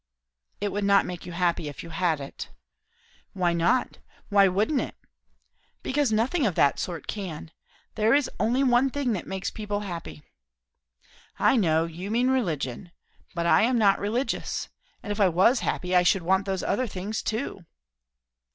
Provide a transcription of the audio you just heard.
"It would not make you happy, if you had it." "Why not? Why wouldn't it?" "Because nothing of that sort can. There is only one thing that makes people happy." "I know; you mean religion. But I am not religious. And if I was happy, mother, I should want those other things too."